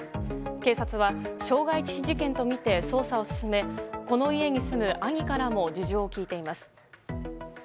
警察は傷害致死事件とみて捜査を進めこの家に住む兄からも事情を聴いています。